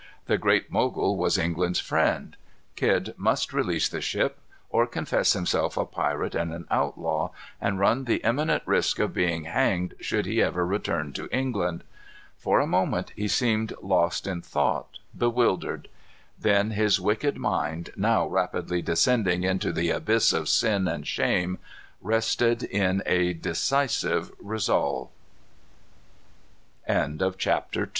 The Great Mogul was England's friend. Kidd must release the ship, or confess himself a pirate and an outlaw, and run the imminent risk of being hanged should he ever return to England. For a moment he seemed lost in thought, bewildered. Then his wicked mind, now rapidly descending into the abyss of sin and shame, rested in a decisive resolve. CHAPTER III. _Pir